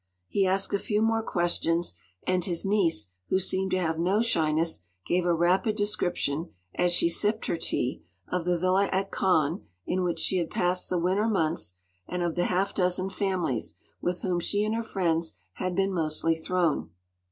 He asked a few more questions, and his niece, who seemed to have no shyness, gave a rapid description, as she sipped her tea, of the villa at Cannes in which she had passed the winter months, and of the half dozen families, with whom she and her friends had been mostly thrown.